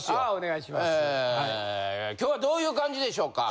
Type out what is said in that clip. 今日はどういう感じでしょうか？